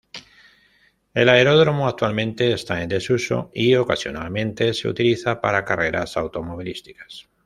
El aeródromo actualmente está en desuso, y ocasionalmente se utiliza para carreras automovilísticas.